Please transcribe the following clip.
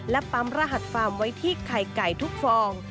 และปั๊มรหัสฟาร์มไว้ที่ไข่ไก่ทุกฟอง